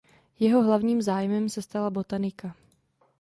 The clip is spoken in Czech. Jeho hlavním zájmem se stala botanika.